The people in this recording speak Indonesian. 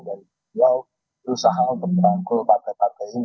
dan beliau berusaha untuk merangkul partai partai